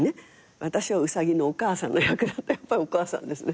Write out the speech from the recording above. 私はウサギのお母さんの役やっぱりお母さんですね。